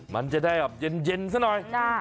มันจะได้แบบเย็นซะหน่อย